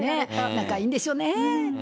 仲いいんでしょうねぇ。